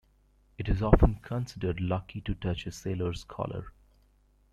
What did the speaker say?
It is often considered lucky to touch a sailor's collar.